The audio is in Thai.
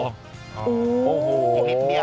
โอ้โหอีกลิ่นเดียว